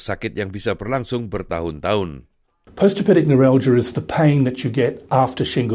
sakit yang bisa berlangsung bertahun tahun